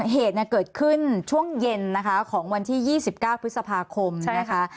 เหตุเกิดขึ้นช่วงเย็นนะคะของวันที่๒๙พฤษภาคมนะคะ